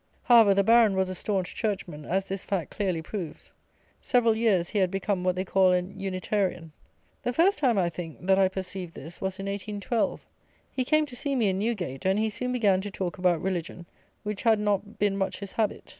However, the Baron was a staunch churchman as this fact clearly proves: several years he had become what they call an Unitarian. The first time (I think) that I perceived this, was in 1812. He came to see me in Newgate, and he soon began to talk about religion, which had not been much his habit.